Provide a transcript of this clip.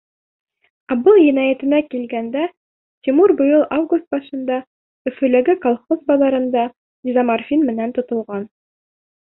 Ә был енәйәтенә килгәндә, Тимур быйыл август башында Өфөләге Колхоз баҙарында дезоморфин менән тотолған.